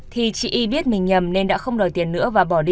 thì chị y biết mình nhầm nên đã không đòi tiền nữa và bỏ đi